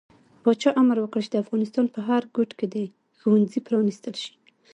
پاچا امر وکړ چې د افغانستان په هر ګوټ کې د ښوونځي پرانستل شي.